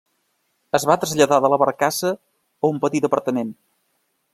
Es va traslladar de la barcassa a un petit apartament.